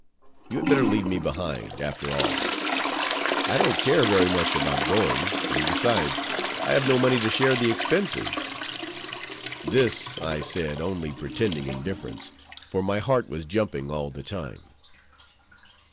You had better leave me behind, after all; I don't care very much about going; and besides, I have no money to share the expenses." This I said, only pretending indifference, for my heart was jumping all the time.